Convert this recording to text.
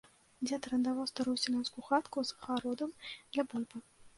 Дзед арандаваў старую сялянскую хатку з гародам для бульбы.